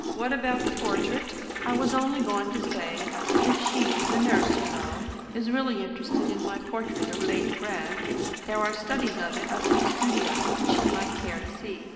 What about the portrait?" "I was only going to say, if she the nurse, you know is really interested in my portrait of Lady Brand, there are studies of it up in the studio, which she might care to see.